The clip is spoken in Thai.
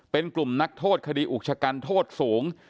เป็นกลุ่มนักโทษคดีอุกชะกันโทษสูง